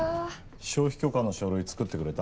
消費許可の書類作ってくれた？